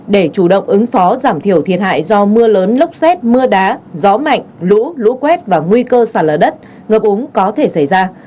để chủ động ứng phó giảm thiểu thiệt hại do mưa lớn lốc xét mưa đá gió mạnh lũ lũ quét và nguy cơ sạt lở đất ngập úng có thể xảy ra